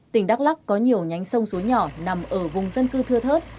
tỉnh đắk lắc có nhiều nhánh sông suối nhỏ nằm ở vùng dân cư thưa thớt